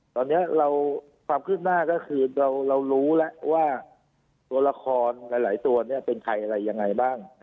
ตอนนี้ความคืบหน้าก็คือเรารู้แล้วว่าตัวละครหลายตัวเนี่ยเป็นใครอะไรยังไงบ้าง